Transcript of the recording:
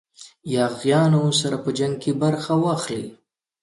یاغیانو سره په جنګ کې برخه واخلي.